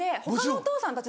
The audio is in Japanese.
お父さんたち